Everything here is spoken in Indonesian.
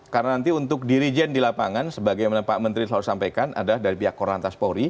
karena nanti untuk dirijen di lapangan sebagai yang pak menteri selalu sampaikan ada dari pihak korantas polri